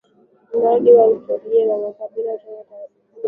Mradi wa Historia ya Makabila ya Mkoa wa Tanga mwaka elfu mbili na sita